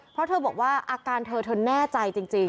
เพราะเธอบอกว่าอาการเธอเธอแน่ใจจริง